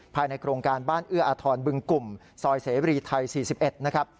ภายในโครงการบ้านเอื้ออาทรบึงกลุ่มซอยเสรีไทย๔๑นะครับ